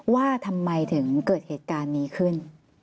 ว่าทำไมถึงเกิดเหตุการณ์นี้ขึ้น